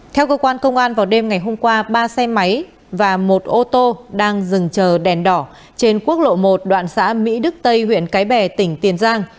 theo cơ quan công an vào đêm ngày hôm qua ba xe máy và một ô tô đang dừng chờ đèn đỏ trên quốc lộ một đoạn xã mỹ đức tây huyện cái bè tỉnh tiền giang